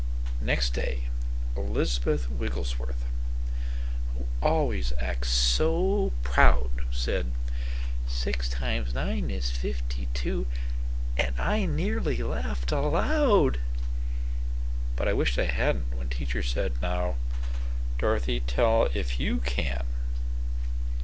Next day Elizabeth Wigglesworth, who always acts so proud, Said, "Six times nine is fifty two," and I nearly laughed aloud! But I wished I had n't when teacher said, "Now, Dorothy, tell if you can."